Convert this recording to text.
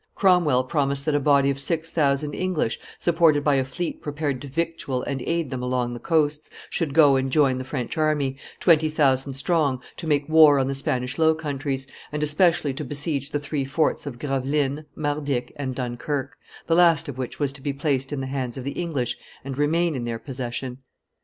Cromwell promised that a body of six thousand English, supported by a fleet prepared to victual and aid them along the coasts, should go and join the French army, twenty thousand strong, to make war on the Spanish Low Countries, and especially to besiege the three forts of Gravelines, Mardyk, and Dunkerque, the last of which was to be placed in the hands of the English and remain in their possession.